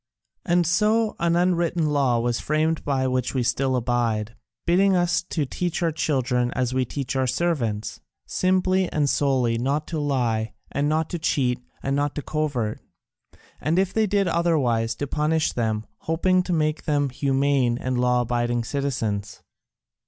And so an unwritten law was framed by which we still abide, bidding us teach our children as we teach our servants, simply and solely not to lie, and not to cheat, and not to covert, and if they did otherwise to punish them, hoping to make them humane and law abiding citizens.